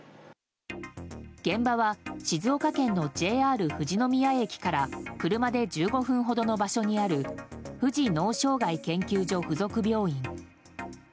現場は静岡県のＪＲ富士宮駅から車で１５分ほどの場所にある富士脳障害研究所附属病院。